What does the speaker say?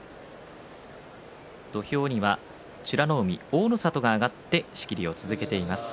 土俵には美ノ海大の里が上がって仕切りを続けています。